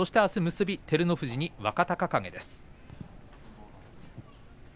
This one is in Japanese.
結びは照ノ富士と若隆景です。